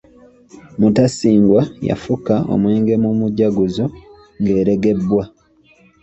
Mutasingwa y'afuka omwenge mu mujaguzo ng’eregebwa.